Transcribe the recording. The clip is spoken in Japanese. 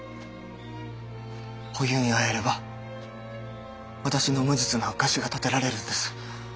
お夕に会えれば私の無実の証しが立てられるんです。